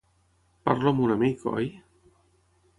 Parlo amb un amic, oi?